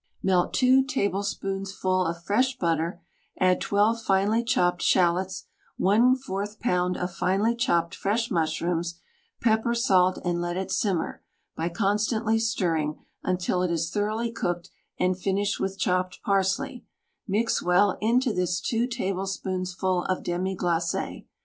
THE STAG COOK BOOK Melt two tablespoonsful of fresh butter, add 12 finely chopped shallots, J4 pound of finely chopped fresh mush rooms, pepper, salt, and let it simmer, by constantly stir ring, until it is thoroughly cooked, and finish with chopped parsley; mix well into this two tablespoonsful of demi glace.